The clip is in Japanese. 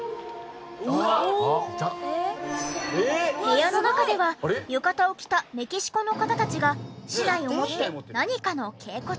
部屋の中では浴衣を着たメキシコの方たちが竹刀を持って何かの稽古中。